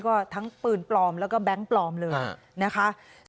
ก็ทั้งปืนปลอมแล้วก็แบงค์ปลอมเลยนะคะ